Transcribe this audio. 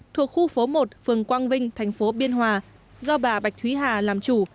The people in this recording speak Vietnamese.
thuộc khu phố một phường quang vinh thành phố biên hòa do bà bạch thúy hà làm chủ